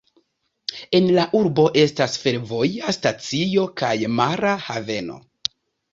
En la urbo estas fervoja stacio kaj mara haveno.